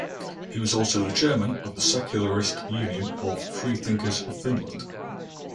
He was also the chairman of the secularist Union of Freethinkers of Finland.